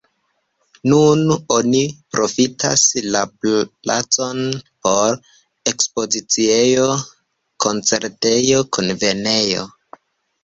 Nun oni profitas la palacon por ekspoziciejo, koncertejo, kunvenejo.